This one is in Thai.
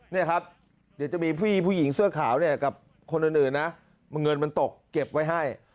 นี่ครับเดี๋ยวจะมีผู้หญิงเสื้อขาวเนี่ยกับคนอื่นนะเงินมันตกเก็บไว้ให้